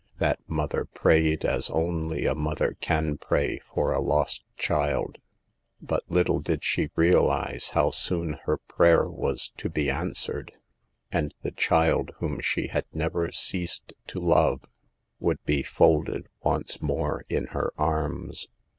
That mother prayed as only a mother can pray for a lost child; but little did she realize how soon her prayer was to be answered, and the child whom she had never ceased to love, would be folded once more in her arms.